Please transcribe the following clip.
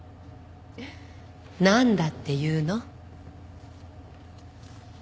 なんだっていうの？